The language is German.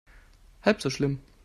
Halb so schlimm.